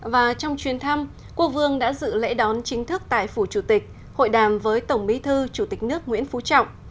và trong chuyến thăm quốc vương đã dự lễ đón chính thức tại phủ chủ tịch hội đàm với tổng bí thư chủ tịch nước nguyễn phú trọng